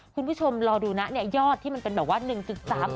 คุณผู้ชมรอดูนะยอดที่มันเป็นแบบว่า๑ซึ่ง๓เอ็ม